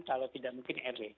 kalau tidak mungkin rw